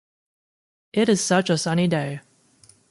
It is such a sunny day.